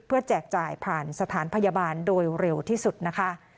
แจกจ่ายผ่านสถานพยาบาลโดยเร็วที่สุดนะคะ